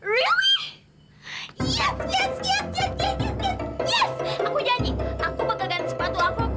really yes yes yes yes yes yes yes yes aku janji aku pegangkan sepatu aku aku